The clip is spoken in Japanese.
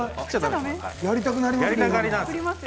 やりたくなります。